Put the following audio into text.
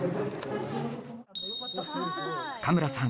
加村さん。